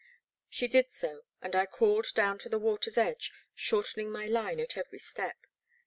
She did so, and I crawled down to the water's edge, shortening my line at every step.